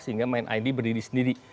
sehingga mind id berdiri sendiri